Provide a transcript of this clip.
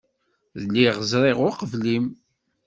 Lliɣ ẓriɣ uqbel-im.